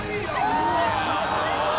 うわ。